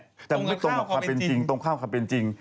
ตรงกับความเป็นจริงตรงกับความเป็นจริงตรงกับความเป็นจริง